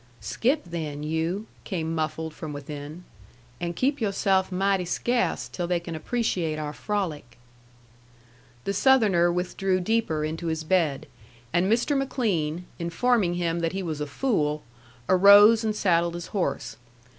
"Skip, then, you," came muffled from within, "and keep you'self mighty sca'ce till they can appreciate our frolic." The Southerner withdrew deeper into his bed, and Mr. McLean, informing him that he was a fool, arose and saddled his horse.